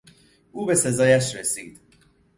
او به سزایش رسید.